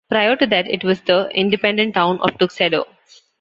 Prior to that it was the independent Town of Tuxedo.